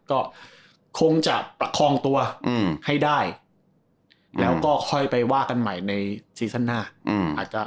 ก็คงจะประคองตัวให้ได้แล้วก็ค่อยไปว่ากันใหม่ในซีซั่นหน้าอาจจะ